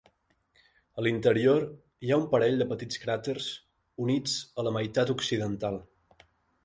A l'interior hi ha un parell de petits cràters units a la meitat occidental.